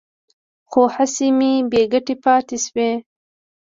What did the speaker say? خو هڅې مې بې ګټې پاتې شوې.